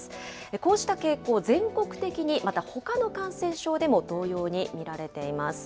こうした傾向、全国的に、またほかの感染症でも同様に見られています。